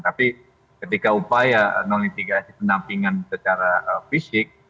tapi ketika upaya non mitigasi pendampingan secara fisik